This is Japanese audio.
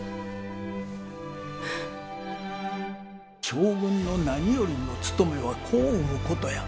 将軍の何よりのつとめは子を産むことや！